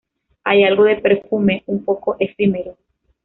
Hay algo de perfume, un poco efímero.